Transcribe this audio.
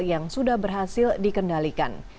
yang sudah berhasil dikendalikan